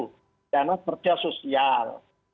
pidana kerja sosial